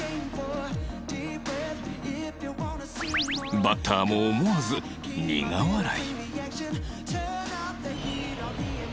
バッターも思わず苦笑い